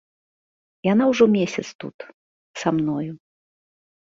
Яна ўжо месяц тут, са мною.